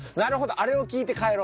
あれを聞いて帰ろうと。